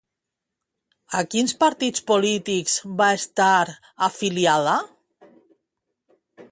A quins partits polítics va estar afiliada?